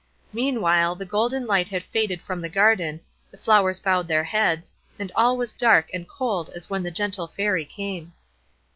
Meanwhile the golden light had faded from the garden, the flowers bowed their heads, and all was dark and cold as when the gentle Fairy came.